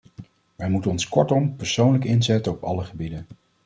Wij moeten ons kortom persoonlijk inzetten op alle gebieden.